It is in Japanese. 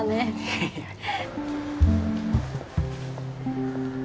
ヘヘヘ。